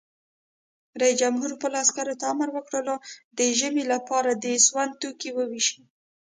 رئیس جمهور خپلو عسکرو ته امر وکړ؛ د ژمي لپاره د سون توکي وویشئ!